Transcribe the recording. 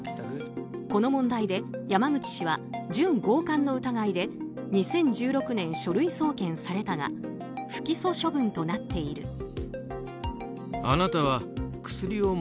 この問題で山口氏は準強姦の疑いで２０１６年、書類送検されたが不起訴処分となっている。